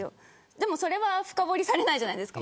でもそれは深堀りされないじゃないですか。